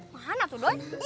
mana tuh doi